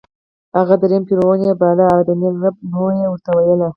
هغه درېیم فرعون یې باله، د نېل رب النوع یې ورته ویل.